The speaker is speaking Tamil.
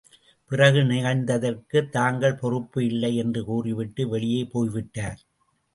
பிறகு நிகழ்ந்ததற்குத் தாங்கள் பொறுப்பு இல்லை என்று கூறி விட்டு வெளியே போய்விட்டார்.